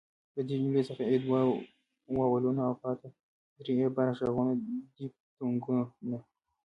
له دې جملې څخه ئې دوه واولونه او پاته درې ئې غبرګ ږغونه دیفتونګونه